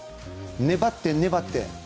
粘って、粘って。